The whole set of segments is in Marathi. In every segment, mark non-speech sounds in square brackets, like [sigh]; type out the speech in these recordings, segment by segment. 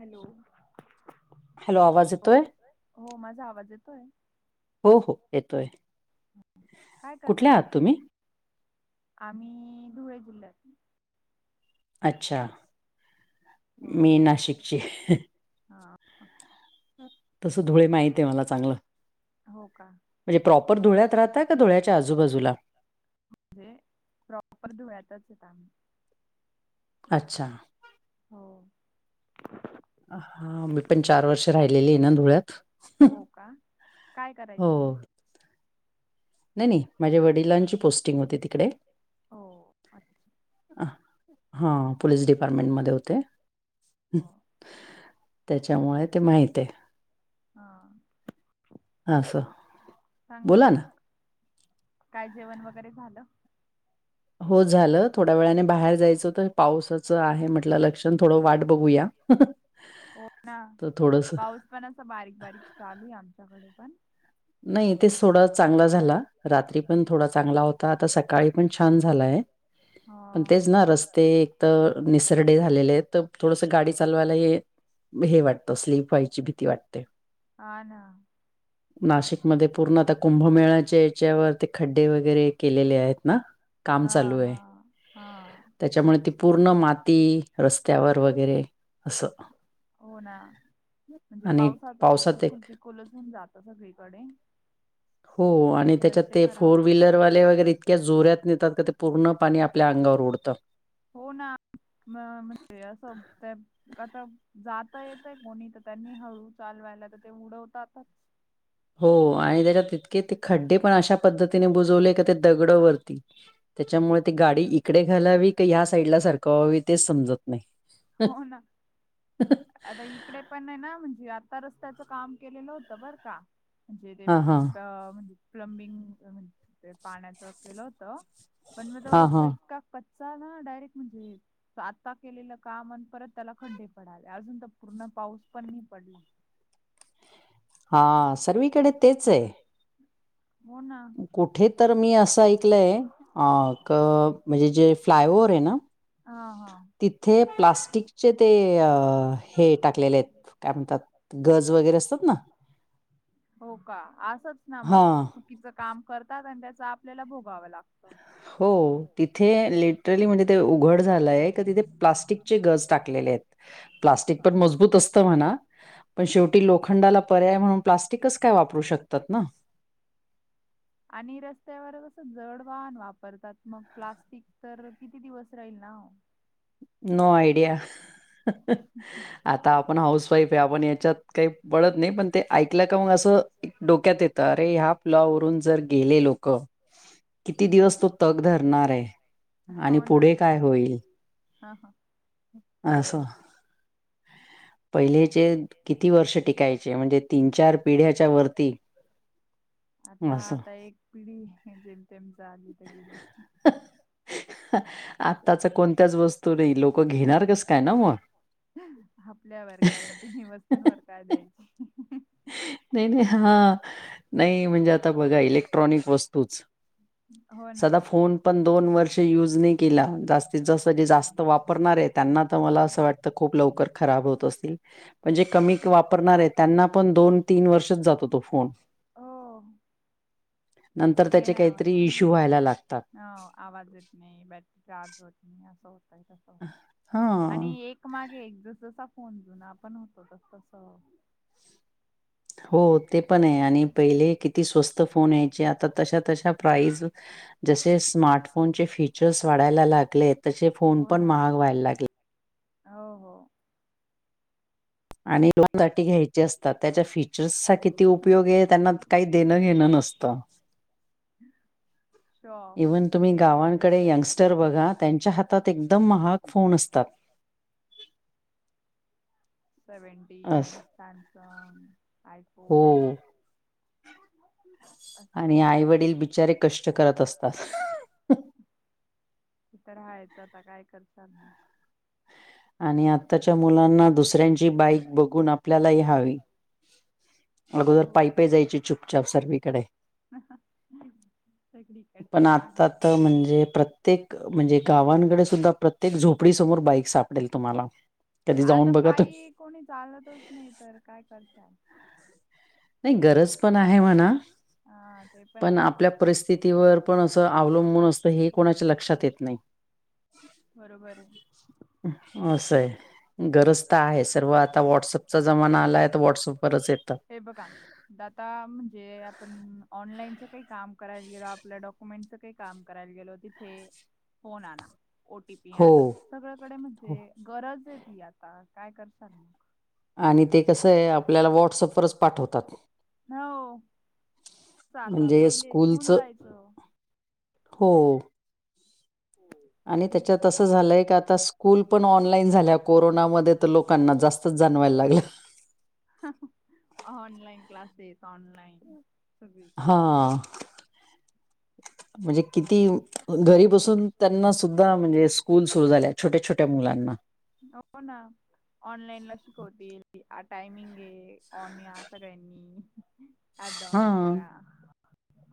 हॅलो हॅलो, आवाज हो येतोय? हो, माझा आवाज येतोय? हो हो येतोय. काय करताय कुठल्या ताई आहात तुम्ही? आम्ही धुळे जिल्ह्यात अच्छा हो मी नाशिकची आहे. हा तस धुळे माहित आहे मला चांगलं. हो का म्हणजे प्रॉपर धुळ्यात राहता का, धुळ्याच्या आजूबाजूला? म्हणजे प्रॉपर धुळ्यातच आहेतेत आम्ही अच्छा हो हा मी पण चार वर्ष राहिलेली आहे ना धुळ्यात हो का? काय करायचं हो तुम्ही नाही नाही माझ्या वडिलांची पोस्टिंग होती तिकडे. हो अच्छा अ हा पोलीस डिपार्टमेंट मध्ये होते. हो त्याच्यामुळे ते माहित आहे. हा असं बोला ना चांगलंय, काय जेवण वगैरे झालं? हो झालं, थोड्या वेळाने बाहेर जायचं तर पावसाचं आहे म्हटलं लक्षण, थोडं वाट बघूया. हो ना, तर थोडंसं पाऊस पण असं बारीक बारीक चालू आहे आमच्याकडे पण. नाही ते थोडा चांगला झाला. रात्री पण थोडा चांगला होता, आता सकाळी पण छान झालाय. पण हा तेच ना रस्ते एक तर निसरडे झालेले आहेत, तर थोडसं गाडी चालवायला ये हे वाटतं स्लीप व्हायची भीती वाटते. हा ना. नाशिकमध्ये पूर्ण आता कुंभमेळ्याच्या याच्यावर ते खड्डे वगैरे केलेले आहेत ना काम हा चालू आहे, हा हा त्याच्यामुळे ती पूर्ण माती रस्त्यावर वगैरे असं हो ना म्हणजे आणि पावसाचं ते पावसात चिखुल एक चिख् लच होऊन जात सगळीकडे हो आणि त्याच्यात रस्ते ते खराब फोर व्हीलरवाले वगैरे इतक्या जोऱ्यात नेतात का ते पूर्ण पाणी आपल्या अंगावर उडतात. हो ना म म्हणजे या सोबत आता जाता येतय कोणी तर त्यांनी हळू चालवायला तर ते उडवतातच. हो आणि त्याच्यात तितके ते खड्डे पण अशा पद्धतीने बुजवले का ते दगडं वरती त्याच्यामुळे ती गाडी इकडे घालावी की ह्या साईडला सारखवावी तेच समजत नाही. हो ना ह आता इकडे पणे ना. म्हणजे आता रस्त्याचं काम केलेलं होतं बरं का. म्हणजे ते, हा हा म्हणजे प्लंमबिंग पाण्याचं केलं होत. पण मग तो हा हा रस्ता इतका कच चा ना. डायरेक्ट म्हणजे आता केलेलं काम अण, परत त्याला खड्डे पडले. अजून तर पूर्ण पाऊस पण नाही पडला. हा. सर्वीकडे तेचे. हो ना कुठे तर मी असं ऐकलंय. अ क म्हणजे जे फ्लायओव्हरे ना. ह हा. तिथे प्लास्टिकचे ते हे टाकलेलेत. काय म्हणतात? गज वगैरे असतात ना. हो का? असच ना मग, हा चुकीचं काम करतात. आणि त्याच आपल्याला भोगावं लागतं. ह [unintelligible] हो. तिथे लिटरली म्हणजे ते उघड झालंय. का तिथे प्लास्टिकचे गज टाकलेलेत. प्लास्टिक पण मबूत अस म्हणा. पण शेवटी लोखंडाला पर्याय म्हणून प्लास्टिक कस काय वापरू शकतात ना. आणि रस्त्यावर कसं जड वाहन वापरतात. मग प्लास्टिक तर किती दिवस राहील ना ओ. No idea. आता आपण हाऊस वाईफे. आपण याच्यात काही पडत नाही. पण ते ऐकलं का मग असं डोक्यात येत. अरे ह्या पुलावरून जर गेले लोक. किती दिवस तो तग धरणारे. आणि पुढे काय होईल. ह ह. अस. पहिलेचे किती वर्ष टिकायचे. म्हणजे तीन चार पिढ्याच्या वरती. आता असं आता एक पिढी जेम तेम झाली त गेली. असंच आताच आहे. कोणत्याच वस्तू नाही. लोक घेणार कस काय ना म. आपल्यावर गॉरंटी नाही. वस्तूंवर काय द्यायची. नाही नाही. हा नाही. म्हणजे आता बघा इलेक्ट्रॉनिक वस्तूच. हो ना सादा फोन पण दोन वर्ष युज नाही केला. जास्तीत जास्त जे जास्त वापरणारेत. त्यांना तर मला अस वाटतं खूप लवकर खराब होत असतील. पण जे कमी क वापरणारेत त्यांना पण दोन तीन वर्षच जातो तो फोन. हो नंतर त्याचे, घेण्यावर काहीतरी पण इश्यू आहे. व्हायला लागतात. हो आवाज येत नाही. बॅटरी चार्ज होत नाही. असं होतय. तस होतय. हा आणि एक मागे एक. जस जसा फोन जुना पण होतो. तस तसं हो ते पणे. आणि पहिले किती स्वस्त फोन यायचे. आता तशा तशा प्राईज. जसे स्मार्टफोनचे फीचर्स वाढायला लागले. तसे फोन हो पण ना महाग व्हायला लागले. हो हो. आणि [unintelligible] घ्यायचे असतात त्याच्या फीचर्सचा किती उपयोग आहे. त्यांना काही देणं घेणं नसतं. त. हम् [inaudible] इव्हन तुम्ही तेच गावांकडे आहे आता यंगस्टर बघा. त्यांच्या हातात. एकदम महाग फोन असतात. सेवनटीन, अस सॅमसंग, आयफोन. हो आणि असतात आईवडील बिचारे कष्ट करत असतात. ते तर हायचं. आता काय करशाल मग. आणि आत्ताच्या मुलांना, दुसऱ्यांची बाईक बघून. आपल्याला ही हवी. अगोदर हो पाई पाई जायची. चुपचाप सर्वीकडे. सगडीकडे पण आता आहे. म्हणजे प्रत्येक, म्हणजे गावांकडे सुद्धा, प्रत्येक झोपडी समोर बाइक् सा सापडेल. तुम्हाला. कधी आता जाऊन बघा तुम्ही पायी कोणी चालतच नाही. तर काय करशाल. नाही गरज पण आहे म्हणा हा ते पण आपल्या परिस्थितीवर पण असं अवलंबून असतं हे कोणाच्या लक्षात येत नाही. ह बरोबर ये अ गरज तर आहे सर्व आता व्हॉट्सअपचा जमाना आलाय तर व्हॉट्सअपवरच येतं. हे बघा द आता म्हणजे आपण ऑनलाईनचं काही काम करायला गेलो आपल्या डॉ. मेंट च काही काम करायला गेलो तिथे फोन आणा. ओटीपी हो आना सगळ्याकडे हो म्हणजे गरज आहे ती आता काय करता. आणि ते कसं आहे आपल्याला व्हॉटसअपवरच पाठवतात. हो आता म्हणजे पहिले स्कूलच होऊन जायचं हो आणि त्याच्यात असं झालंय का आता स्कूल पण ऑनलाईन झाल्या कोरोनामध्ये तर लोकांना जास्त असच जाणवायला लागलंय. हह ऑनलाईन क्लास आहेत ऑनलाईन सगळीकडे तेच हां म्हणजे किती घरी बसून त्यांना सुद्धा म्हणजे स्कूल सुरू झाल्या छोट्या छोट्या मुलांना हो ना. ऑनलाईन ला शिकवते टायमिंग आहे ऑन या सगळ्यांनी अँप डाउनलोड हां, करा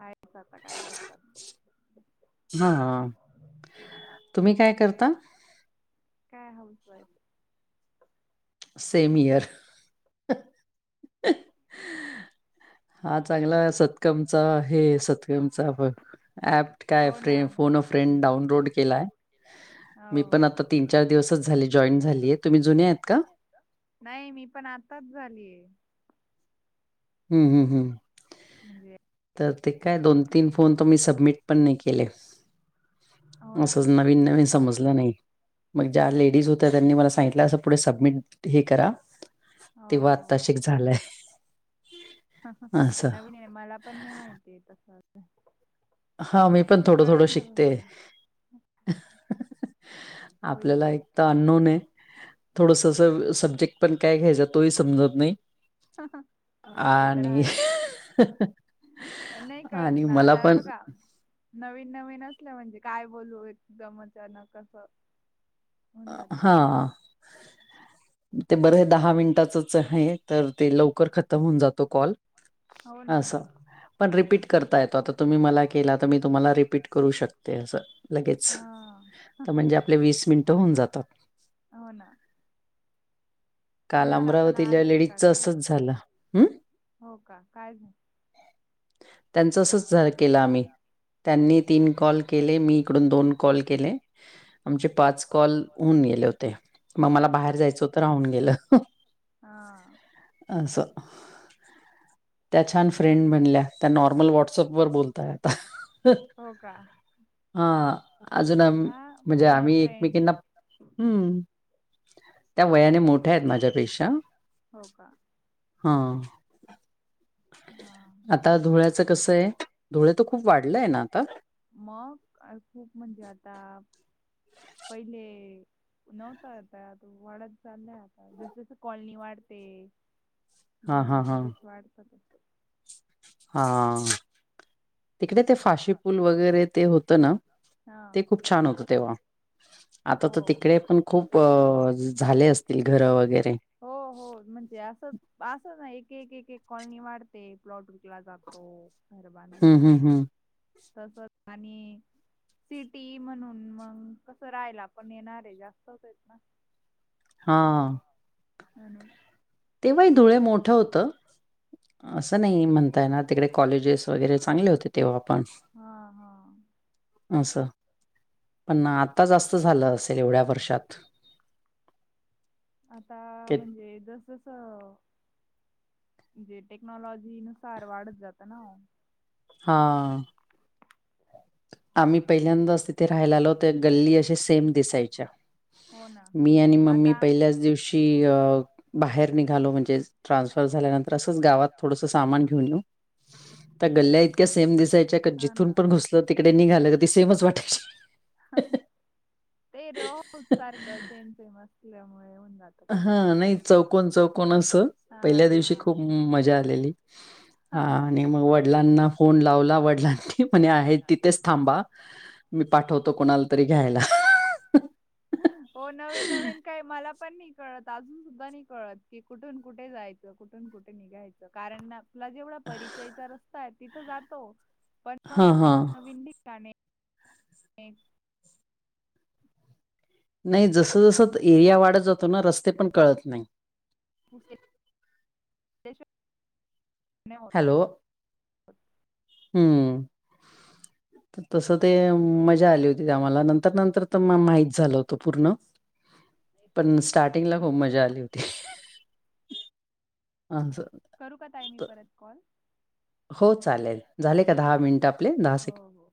आता काय करतात. हा तुम्ही काय करता. काय हाऊस वाईफ सेम इयर हाह ठीक हा चांगला सतकामचा हे सतकामचा बघ. ऍप काय हो फ्रे ना फोन अ फ्रेंड डाउनलोड केलाय. मी हो पण हो आता तीन चार दिवसच झाले जॉईन झालीय तुम्ही जुने आहेत का? नाही मी पण आताच झालीय. हम् हम् हम्म म्हणजे तर ते काय दोन तीन फोन त मी सबमिट पण नाही केले हो ना असच न. न नन समज नाही मग ज्या लेडीज होत त्यांनी मला सांगित. पुढे सबमिट ह करा तेव्हा हो. आताशिक झालंय. असं. नवीन आहे मला पण नाही माहिती आहे तस. हा मी पण थोडं थोडं शिकते. होईल. आपल्याला एक तर अननोन आहे थोडसस सब्जेक्ट पण काय घ्यायचा तोही समजत नाही. हह ते तर आणि आहेच नाही कळत आणि ना मला आता हे पण बघा. नवीन नवीन असलं म्हणजे काय बोलू एकदम अचानक अस. हा ते बरं आहे दहा मिनिटाचच आहे तर ते लवकर खतम होऊन जातो कॉल हो ना. असं. पण रिपीट करता येतो आता तुम्ही मला केला तर मी तुम्हाला रिपीट करू शकते असं. लगेच हा तर म्हणजे आपले वीस मिनटं होऊन जातात. हो ना काल तुम्हाला पण अमरावतीला आलेत का लेडीजचं का असंच झालं हं हो का काय झा. त्यांच असंच झार केलं आम्ही त्यांनी तीन कॉल केले मी इकडून दोन कॉल केले. आमचे पाच कॉल होऊन गेले होते मग मला हो बाहेर का जायचं हो तर राहून गेलं. हा सो त्या छान काय फ्रेंड म्हणल्या त्या नॉर्मल व्हॉट्सअपवरर बोलताय आता हो का? हा अजून हा म्हणजे फोन अ आम्ही फ्रेंड एकमेकीांना हम् त्या वयाने मोठ्या आहेत माझ्यापेक्षा हो का हा. हा आता धुळ्याच कस आहे धुळे तर खूप वाढलंय ना आता मग खूप म्हणजे आता पहिले. नव्हत आता वाढत चाललाय आता जस जसं कॉलनी वाढते. हा हा गमी हा जगच वाढत असते. हा तिकडे ते फाशी पूल वगैरे ते होतं ना. हा ते खूप छान होतं तेव्हा आता हो तर तिकडे पण खूप झाले असतील घरं वगैरे हो हो म्हणजे असं असं ना एक एक एक एक कॉलनी वाढत. ते प्लॉट उिकला जातो घर बांधलं हम्म हम्म जात हम्म तसच आणि सिटी म्हणून मग कसं राहायला पण येणार आहे जास्तचेत ना. हा ह. ह ना. तेव्हाही धुळे मोठं होतं. असं नाही म्हणताय ना तिकडे कॉलेजेस वगैरे चांगले होते तेव्हा आपण हा हा. असं पण आता जास्त झालं असेल एवढ्या वर्षात आता के म्हणजे जसस. जे टेक्नॉलॉजी नुसार वाढत जातं ना. हा. आम्ही पहिल्यांदाच तिथे राहायला आलोत गल्ली असशे सेम दिसायच्या. हो ना मी आणि मम्मी आता पहिल्याच दिवश बाहेर निघालो म्हणजे ट्रान्सफर झाल्यानंतर असंच गावात थोडस सामान घेऊन ये. त्या गल्ल्या इतक्या सेम दिसायच्या का हा ना जिथून पण घुसलं तिकडे निघालं क ती सेमच वाटायची. ते रोज सारखं सेम सेम असल्यामुळे होऊन जात. काही हा वेळ नाही चौकन चौकन अस हा पहिल्या हा दिवशी खूप मजा आलेली. हा आणि मग वडिलांना फोन लावला वडिलांनी म्हणे आहे तिथेच थांबा. मी पाठवतो कोणाला तरी घ्यायला. ह. हो नवीन नवीन काही मला पण नाही कळत अजून सुद्धा नाही कळत की कुठून कुठे जायच. कुठून कुठे निघायचं कारण ना तुला जेवढा परिचयचा रस्ता आहे तिथं जातो. पण हा मग हा कसं नवीन दििकाणे. नाही जस जसं एरिया वाढत जातो ना रस्ते पण कळत नाही. [unintelligible] नाही हो. हॅलो हम्म. तसं ते मजा आली होती ते आम्हाला नंतर नंतर तर माहित झालं होतं पूर्ण [unintelligible] पण स्टार्टिंगला खूप मजा आली होती. आर करू का तय मी परत कॉल हो चालेल झाले का दहा मिनिट आपले दहा सेकड. हो हो